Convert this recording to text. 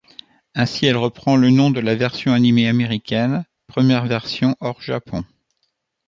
Ainsi elle reprend le nom de la version animé américaine, première version hors Japon.